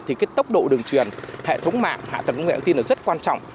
thì tốc độ đường truyền hệ thống mạng hạ tầng công nghệ thông tin rất quan trọng